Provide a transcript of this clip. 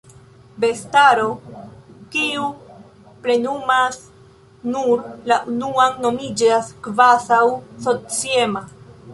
Bestaro, kiu plenumas nur la unuan, nomiĝas kvazaŭ-sociema.